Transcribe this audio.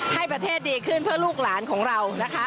ให้ประเทศดีขึ้นเพื่อลูกหลานของเรานะคะ